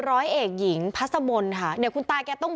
ร้อยเอกหญิงพัสมนต์ค่ะเนี่ยคุณตาแกต้อง